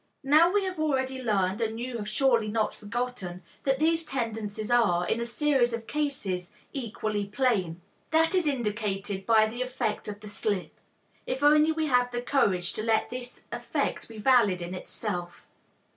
Now we have already learned, and you have surely not forgotten, that these tendencies are, in a series of cases, equally plain. That is indicated by the effect of the slip, if only we have the courage to let this effect be valid in itself.